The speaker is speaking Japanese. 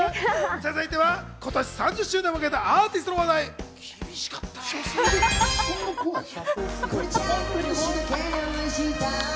続いては今年３０周年を迎えたアーティストの話題です。